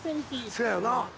せやろな。